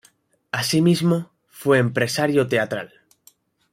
Asimismo, fue empresario teatral.